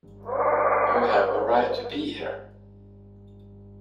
You have a right to be here.